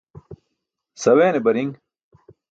Saweene bariṅ